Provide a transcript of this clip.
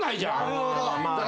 なるほど。